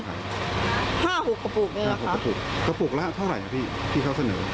ห้าหกกระปุกนี่แหละค่ะห้าหกกระปุกกระปุกแล้วเท่าไรนะพี่ที่เขาเสนอ